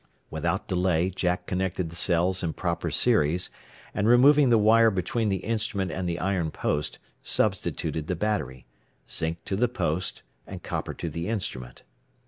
Without delay Jack connected the cells in proper series, and removing the wire between the instrument and the iron post, substituted the battery zinc to the post, and copper to the instrument.